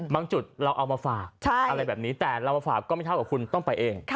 จุดเราเอามาฝากอะไรแบบนี้แต่เรามาฝากก็ไม่เท่ากับคุณต้องไปเอง